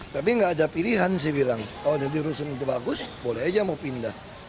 tapi nggak ada pilihan saya bilang kalau nanti rusun itu bagus boleh aja mau pindah